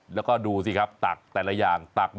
แล้วก็ดูสิครับตักแต่ละอย่างตัก